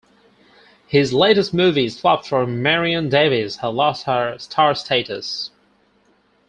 His latest movies flopped for Marion Davies had lost her star status.